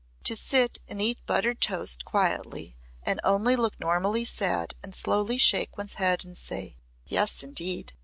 To sit and eat buttered toast quietly and only look normally sad and slowly shake one's head and say, "Yes indeed.